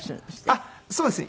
あっそうです。